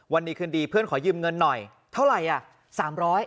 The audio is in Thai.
วันดีคืนดีเพื่อนขอยืมเงินหน่อยเท่าไหร่อ่ะ